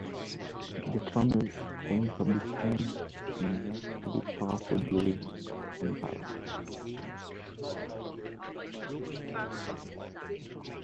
The family of Chainpur became immensely powerful during Mughal empire.